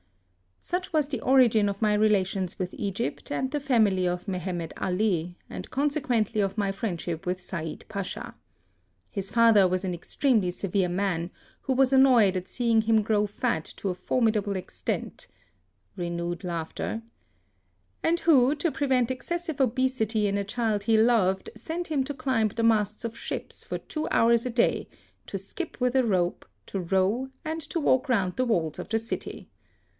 Such was the origin THE SUEZ CANAL. 9 of my relations with Egypt and the family of Mehemet Ali, and consequently of my friendship with Said Pacha. His father was an extremely severe man, who was annoyed at seeing him grow fat to a formidable ex tent — (renewed laughter) — and who, to pre vent excessive obesity in a child he loved, sent him to climb the masts of ships for two hours a day, to skip with a rope, to row, and to walk round the walls of the city.